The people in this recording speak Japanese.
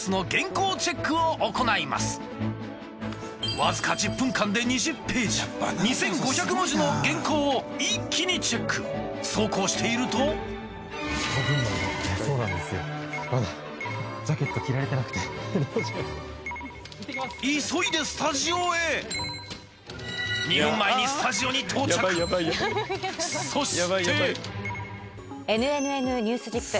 わずか１０分間で２０ページ２５００文字の原稿を一気にチェックそうこうしていると急いでスタジオへ２分前にスタジオに到着そして「ＮＮＮニュースＺＩＰ！」。